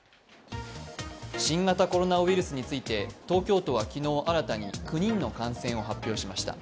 新型コロナウイルスについて東京都は昨日新たに９人の感染を発表しました。